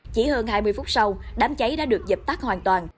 chỉ hơn hai mươi phút sau đám cháy đã được dập tắt hoàn toàn